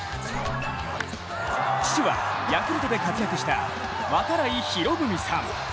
父はヤクルトで活躍した、度会博文さん。